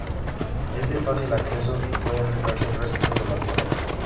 Es de fácil acceso y pueden verse restos de las murallas.